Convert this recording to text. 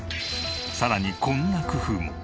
さらにこんな工夫も。